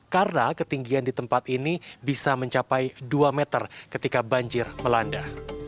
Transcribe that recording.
karena ketinggian di tempat ini bisa mencapai dua meter ketika banjir melanda